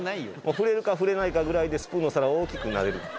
触れるか触れないかぐらいでスプーンの皿を大きくなでる。